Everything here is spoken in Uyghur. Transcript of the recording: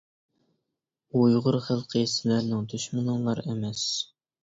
ئۇيغۇر خەلقى سىلەرنىڭ دۈشمىنىڭلار ئەمەس!